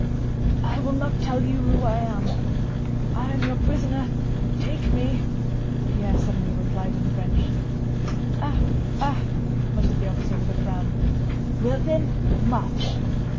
"I will not tell you who I am. I am your prisoner—take me!" Pierre suddenly replied in French. "Ah, ah!" muttered the officer with a frown. "Well then, march!"